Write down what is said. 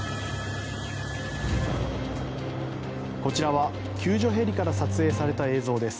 こちらは救助ヘリから撮影された映像です。